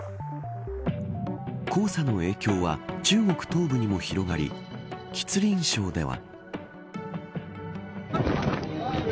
黄砂の影響は中国東部にも広がり吉林省では。